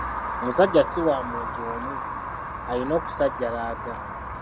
Omusajja si wa muntu omu, alina okusajjalaata.